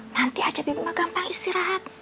nanti aja bebe mah gampang istirahat